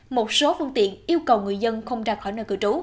một số phương tiện yêu cầu người dân không ra khỏi nơi cư trú